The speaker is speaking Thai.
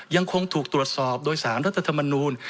ยังคงถูกตรวจสอบโดยสารรัฐธรรมนูล